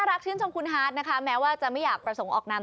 รักชื่นชมคุณฮาร์ดนะคะแม้ว่าจะไม่อยากประสงค์ออกนาม